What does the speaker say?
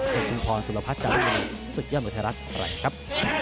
เทศจุมพรสุรพัฒน์จันทร์สุศึกย่ำโดยไทยรัฐแหละครับ